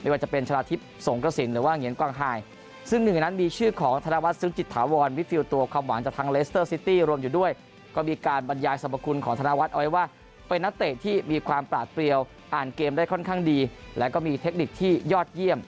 ไม่ว่าจะเป็นชนะทิพย์สงกระสินหรือว่าเหงียนกองไฮซึ่งหนึ่งในนั้นมีชื่อของธนวัฒนซึ้งจิตถาวรมิดฟิลตัวความหวังจากทางเลสเตอร์ซิตี้รวมอยู่ด้วยก็มีการบรรยายสรรพคุณของธนวัฒน์เอาไว้ว่าเป็นนักเตะที่มีความปลาดเปรียวอ่านเกมได้ค่อนข้างดีแล้วก็มีเทคนิคที่ยอดเยี่ยม